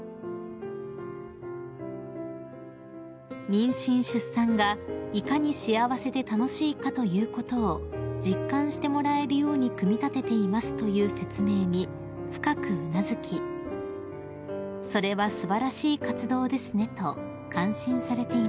［「妊娠・出産がいかに幸せで楽しいかということを実感してもらえるように組み立てています」という説明に深くうなずき「それは素晴らしい活動ですね」と感心されていました］